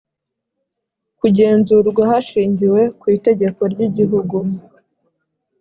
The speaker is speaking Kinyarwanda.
kugenzurwa hashingiwe ku itegeko ry’i gihugu